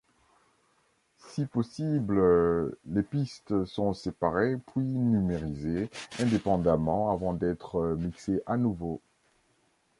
Si possible, les pistes sont séparées puis numérisées indépendamment avant d'être mixées à nouveau.